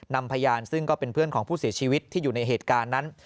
นำพยานซึ่งก็เป็นเพื่อนของผู้เสียชีวิตที่อยู่ในเหตุการณ์นั้น